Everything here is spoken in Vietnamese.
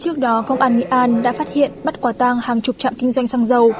trước đó công an nghệ an đã phát hiện bắt quả tang hàng chục trạm kinh doanh xăng dầu